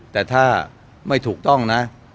แต่ถ้าไม่ถูกต้องนะ